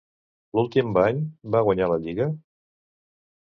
L'últim any va guanyar la Lliga?